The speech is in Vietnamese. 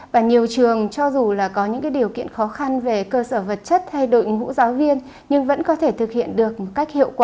và nhiều trường cho dù là có những điều kiện khó khăn về cơ sở vật chất hay đội ngũ giáo viên nhưng vẫn có thể thực hiện được một cách hiệu quả